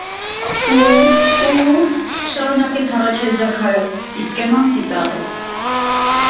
- Ո՜ւֆ, ո՜ւֆ,- շարունակեց հառաչել Զաքարը,- իսկ էմման ծիծաղեց: